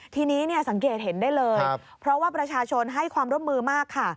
ทีนี้สังเกตเห็นได้เลยเพราะว่าประชาชนให้ความร่วมมือมากค่ะ